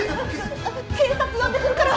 警察呼んでくるから！